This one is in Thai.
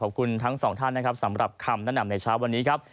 ขอบคุณทั้งสองท่านนะครับสำหรับคำแนะนำในเช้าวันนี้ครับ